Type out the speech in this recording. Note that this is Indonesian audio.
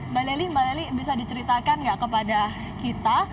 mbak lely mbak lely bisa diceritakan nggak kepada kita